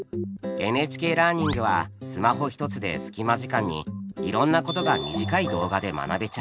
「ＮＨＫラーニング」はスマホ１つで隙間時間にいろんなことが短い動画で学べちゃう。